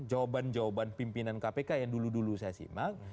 jawaban jawaban pimpinan kpk yang dulu dulu saya simak